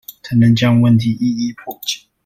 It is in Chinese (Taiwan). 才能將問題一一破解